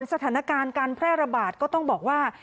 สถานการณ์การแพร่ระบาดก็ต้องบอกว่า